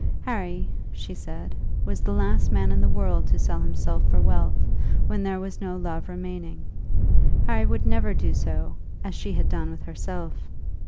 Harry, she said, was the last man in the world to sell himself for wealth, when there was no love remaining. Harry would never do as she had done with herself!